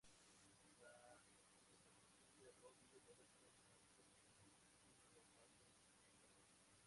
La composición de Robbie Robertson ha crecido a pasos agigantados.